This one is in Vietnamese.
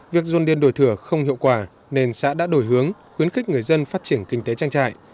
việc dôn điên đổi thừa không hiệu quả nên xã đã đổi hướng khuyến khích người dân phát triển kinh tế trang trại